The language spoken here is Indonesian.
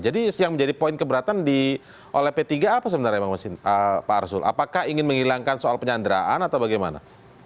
jadi yang menjadi poin keberatan oleh p tiga apa sebenarnya pak rasul apakah ingin menghilangkan soal penyanderaan atau bagaimana